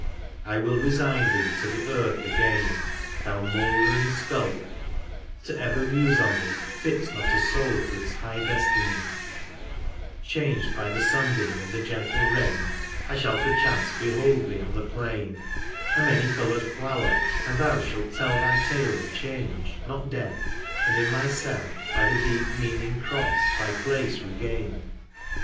I WILL resign thee to the earth again^ Thou mouldering skull, to ever muse on thee Fits not a soul for its high destiny; Changed by the sunbeam and the gentle rain, I shall perchance behold thee on the plain A many coloured flower, and thou shalt tell Thy tale of change, not death, and in my cell By the deep meaning cross thy place regain.